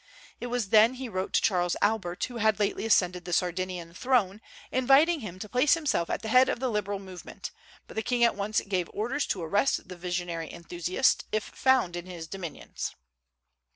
It was then he wrote to Charles Albert, who had lately ascended the Sardinian throne, inviting him to place himself at the head of the liberal movement; but the king at once gave orders to arrest the visionary enthusiast if found in his dominions.